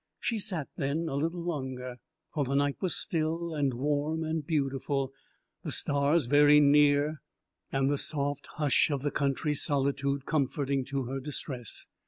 She sat then a little longer, for the night was still and warm and beautiful, the stars very near, and the soft hush h of the country solitude comforting to her distress.